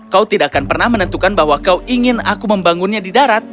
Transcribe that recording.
kau tidak akan pernah menentukan bahwa kau ingin aku membangunnya di darat